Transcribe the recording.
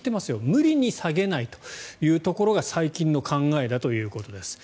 無理に下げないというところが最近の考えだということです。